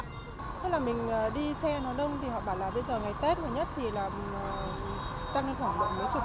thế là mình đi xe nó đông thì họ bảo là bây giờ ngày tết hồi nhất thì tăng đến khoảng độ mới chục